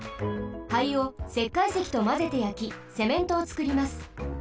灰をせっかいせきとまぜてやきセメントをつくります。